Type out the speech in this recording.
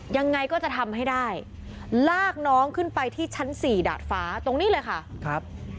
ยังไงก็จะทำให้ได้ลากน้องขึ้นไปที่ชั้นสี่ดาดฟ้าตรงนี้เลยค่ะครับ